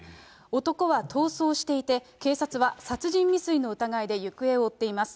男は逃走していて、警察は殺人未遂の疑いで行方を追っています。